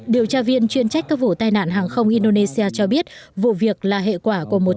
điều tra viên chuyên trách các vụ tai nạn hàng không indonesia cho biết vụ việc là hệ quả của một